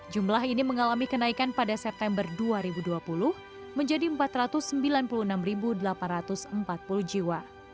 jumlah ini mengalami kenaikan pada september dua ribu dua puluh menjadi empat ratus sembilan puluh enam delapan ratus empat puluh jiwa